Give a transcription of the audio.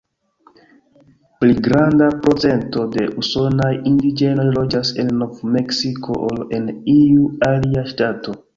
Pli granda procento de usonaj indiĝenoj loĝas en Nov-Meksiko ol en iu alia ŝtato.